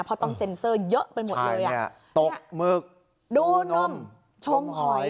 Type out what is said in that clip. เพราะต้องเซ็นเซอร์เยอะไปหมดเลยอ่ะตกหมึกดูนมชมหอย